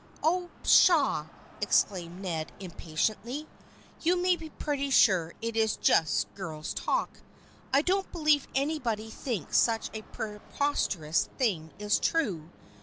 " Oh, pshaw !" exclaimed Ned impatiently. " You may be pretty sure it is just girls' talk. I don't believe anybody thinks such a preposterous thing is true.